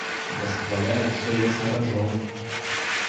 Восхваляют, что лез на рожон.